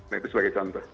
nah itu sebagai contoh